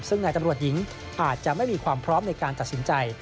ซึ่งนายตำรวจหญิงอาจจะไม่มีความพร้อมในการตัดสินใจ